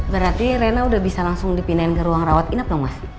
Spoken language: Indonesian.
berarti rena udah bisa langsung dipindahin ke ruang rawat inap dong mas